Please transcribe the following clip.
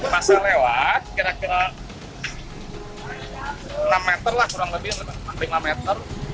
masa lewat kira kira enam meter lah kurang lebih lima meter